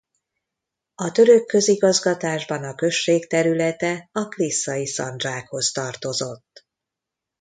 A török közigazgatásban a község területe a Klisszai szandzsákhoz tartozott.